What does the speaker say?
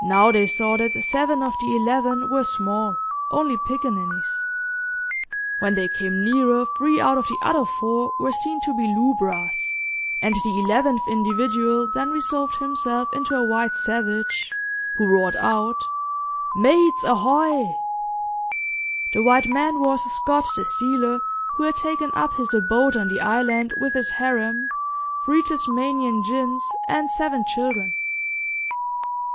Now they saw that seven of the eleven were small, only picaninnies. When they came nearer three out of the other four were seen to be lubras, and the eleventh individual then resolved himself into a white savage, who roared out, "Mates ahoy!" The white man was Scott, the sealer, who had taken up is abode on the island with his harem, three Tasmanian gins and seven children.